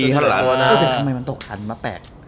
แต่ทำไมมันตกคันมาแปลก